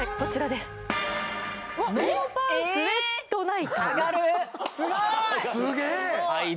すげえ！